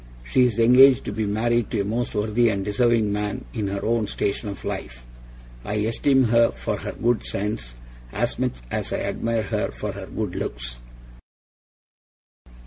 She is engaged to be married to a most worthy and deserving man in her own station of life. I esteem her for her good sense, as much as I admire her for her good looks.